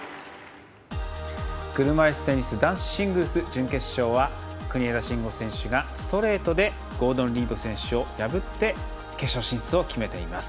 車いすテニス男子シングルス準決勝は国枝慎吾選手がストレートでゴードン・リード選手を破って決勝進出を決めています。